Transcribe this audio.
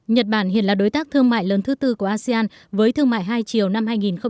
nhật bản hiện là đối tác thương mại lớn thứ tư của asean với thương mại hai chiều năm hai nghìn một mươi tám